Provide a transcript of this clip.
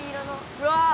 うわ！